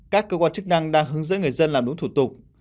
các cơ quan chức năng đang hướng dẫn người dân làm đúng thuật